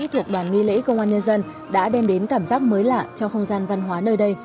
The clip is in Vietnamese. thuộc đoàn nghi lễ công an nhân dân đã đem đến cảm giác mới lạ cho không gian văn hóa nơi đây